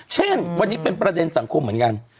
เช่นวันนี้เป็นประเด็นสังคมเหมือนกัน